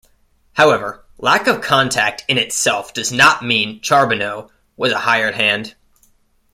However, lack of contact in itself does not mean Charbonneau was a hired hand.